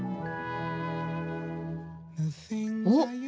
おっ！